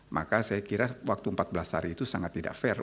maka saya kira waktu empat belas hari itu sangat tidak fair